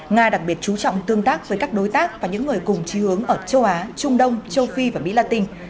nga đặc biệt chú trọng tương tác với các đối tác và những người cùng trí hướng ở châu á trung đông châu phi và mỹ latin